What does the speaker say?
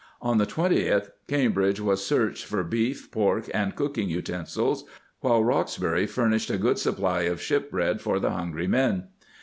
On the 2oth Cambridge was searched for beef, pork, and cooking utensils, while Roxbury furnished a good supply of ship bread for the hungry men.